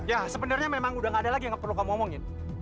ya sebenarnya memang sudah tidak ada lagi yang perlu kamu omongin